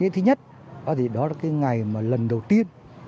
thứ nhất đó là cái ngày mà lần đầu tiên